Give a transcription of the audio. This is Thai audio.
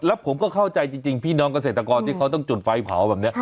แล้วผมก็เข้าใจจริงพี่น้องเกษตรกรที่เขาต้องจุดไฟเผาแบบนี้